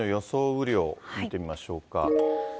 雨量見てみましょうか。